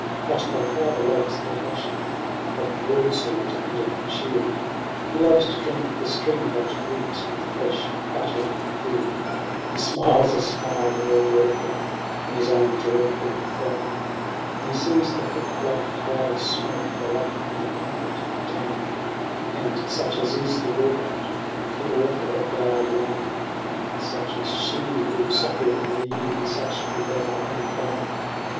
XIX. " But thy father loves the clashing Of broadsword and of shield : He loves to drink the steam that reeks From the fresh battle field : He smiles a smile more dreadful Than his own dreadful frown, When he sees the thick black cloud of smoke Go up from the conquered town. f' ^^ inr /X XX. " And such as is the War god, c P O L I A The author of thy line, And such as she who suckled thee, O P I M A Even such be thou and thine.